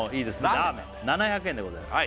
ラーメン７００円でございます